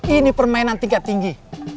ini permainan tingkat tinggi